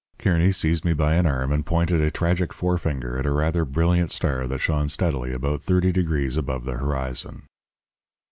"Kearny seized me by an arm and pointed a tragic forefinger at a rather brilliant star that shone steadily about thirty degrees above the horizon.